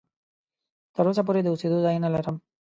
تر اوسه پوري د اوسېدلو ځای نه لرم.